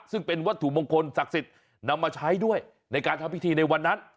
ซึ่งเป็นวัตถุมงคลศักดิ์สิทธิ์นำมาใช้ด้วยในการทำพิธีในวันนั้น